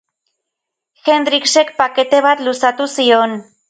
Hendricksek pakete bat luzatu zion.